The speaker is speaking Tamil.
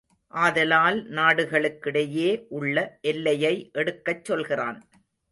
ஆதலால் நாடுகளுக்கிடையே உள்ள எல்லையை எடுக்கச் சொல்கிறான்.